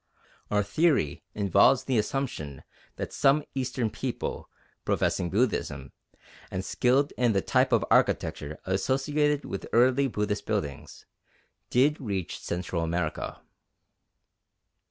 Our theory involves the assumption that some Eastern people professing Buddhism, and skilled in the type of architecture associated with early Buddhist buildings, did reach Central America.